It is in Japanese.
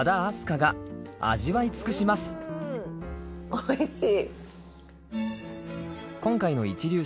おいしい！